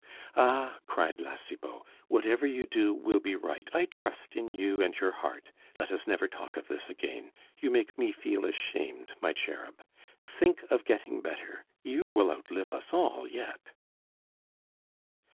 "Ah!" cried La Cibot, "whatever you do will be right; I trust in you and your heart. Let us never talk of this again; you make me feel ashamed, my cherub. Think of getting better, you will outlive us all yet."